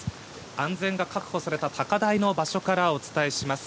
安全が確保された高台の場所からお伝えします。